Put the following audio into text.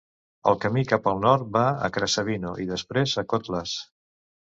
El camí cap al nord va a Krasavino i després a Kotlas.